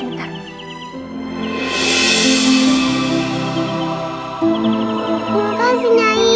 terima kasih nyai